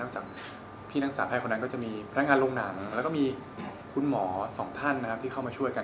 จากพี่นักศาแพทย์คนนั้นก็จะมีพนักงานโรงหนังแล้วก็มีคุณหมอสองท่านที่เข้ามาช่วยกัน